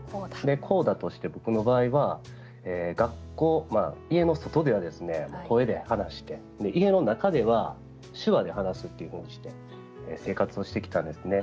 コーダとして僕の場合は学校、家の外では声で話して、家の中では手話で話すというふうに生活をしてきたんです。